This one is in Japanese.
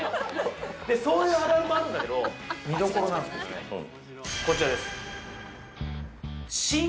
そういうアレもあるんだけど見どころなんすけどねこちらです